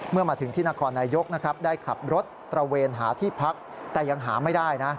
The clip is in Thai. เมื่อมาถึงที่นครนายกนะครับได้ขับรถตระเวนหาที่พักแต่ยังหาไม่ได้นะ